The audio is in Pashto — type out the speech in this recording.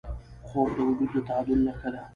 خوب د وجود د تعادل نښه ده